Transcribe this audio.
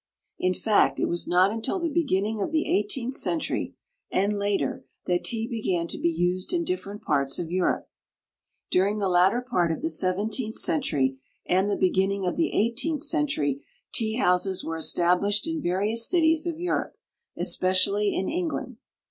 In fact, it was not until the beginning of the eighteenth century and later that tea began to be used in different parts of Europe. During the latter part of the seventeenth century and the beginning of the eighteenth century tea houses were established in various cities of Europe, especially in England.